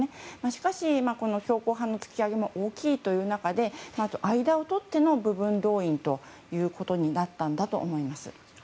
しかし、強硬派の突き上げも大きい中で間を取っての部分動員ということになったんだと思います。